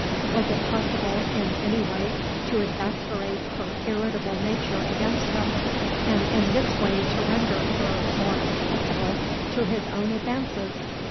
Was it possible, in any way, to exasperate her irritable nature against him, and in this way to render her more accessible to his own advances?